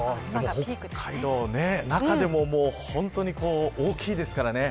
北海道の中でも大きいですからね。